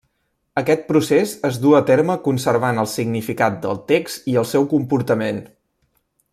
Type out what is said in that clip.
Aquest procés es duu a terme conservant el significat del text i el seu comportament.